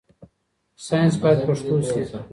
ساينس بايد پښتو شي.